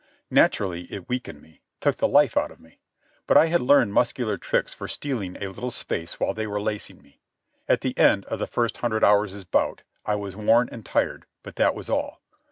Naturally, it weakened me, took the life out of me; but I had learned muscular tricks for stealing a little space while they were lacing me. At the end of the first hundred hours' bout I was worn and tired, but that was all.